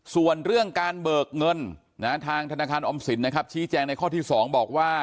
ส่วนเรื่องการเบิกเงินทางธนาคารออมสินนะครับชี้แจงในข้อที่๒บอกว่า